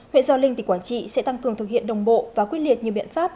huyện do linh tỉnh quảng trị sẽ tăng cường thực hiện đồng bộ và quyết liệt nhiều biện pháp